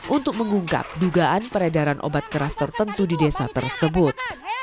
untuk mengungkap dugaan peredaran obat keras tertentu di desa tersebut